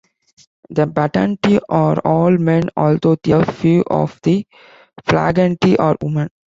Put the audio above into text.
The "battenti" are all men, although a few of the "flagellanti" are women.